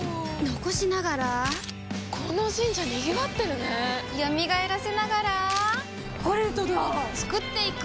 残しながらこの神社賑わってるね蘇らせながらコレドだ創っていく！